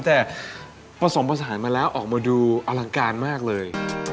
แต่ผสมผสานมาแล้วออกมาดูอลังการมากเลย